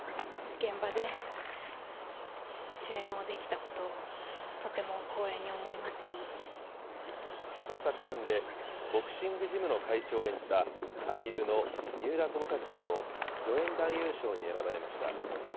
この作品で、ボクシングジムの会長を演じた、俳優の三浦友和さんも、助演男優賞に選ばれました。